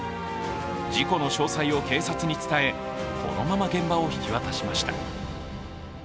事故の詳細を警察に伝え、そのまま現場を引き渡しました。